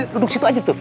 duduk situ aja tuh